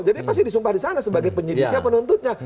jadi pasti disumpah disana sebagai penyidiknya penuntutnya